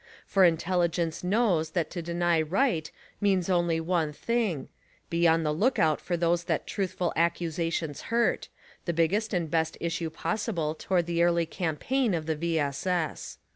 For intelligence knows that to deny right means only one thing — be on the lookout for those that truthful accusations hurt; the biggest and best issue possible toward the early campaign of the V. S. S.